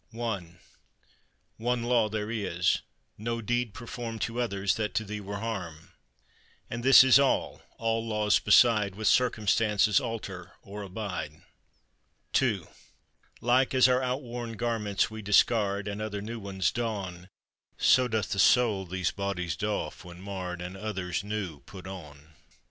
\ I One law there is: no deed perform To others that to thee were harm; And this is all, all laws beside With circimistances alter or abide. II Like as our outworn garments we discard, And other new ones don; So doth the Soul these bodies doff when marred, And others new put on.